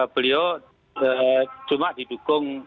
beliau cuma didukung